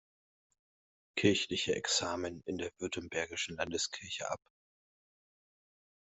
Kirchliche Examen in der Württembergischen Landeskirche ab.